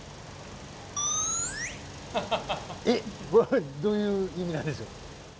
えっこれどういう意味なんでしょう？